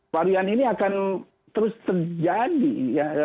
varian ini akan terus terjadi ya